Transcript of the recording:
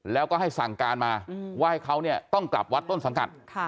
แล้วก็ให้สั่งการมาว่าให้เขาเนี่ยต้องกลับวัดต้นสังกัด